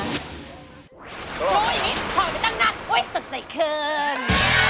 โอ๊ยอย่างนี้ถ่ายไปตั้งนัดอุ๊ยสัดใสเกิน